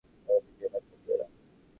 আমাদেরকে এই বাচ্চা দিও না।